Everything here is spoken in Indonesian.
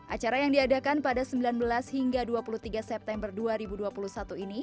acara yang diadakan pada sembilan belas hingga dua puluh tiga september dua ribu dua puluh satu ini